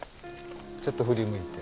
ちょっと振り向いて。